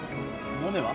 モネは？